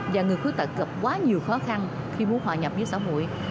và người khuyết tật gặp quá nhiều khó khăn khi muốn hòa nhập với xã hội